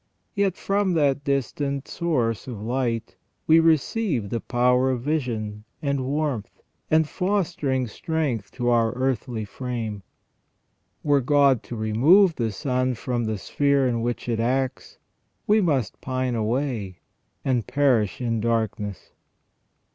Yet from that distant source of light we receive the power of vision, and warmth, and fostering strength to our earthly frame. Were God to remove the sun from the sphere in which it acts, we must pine away and perish in darkness.